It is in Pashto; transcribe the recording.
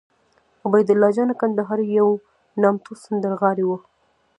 عبیدالله جان کندهاری یو نامتو سندرغاړی وو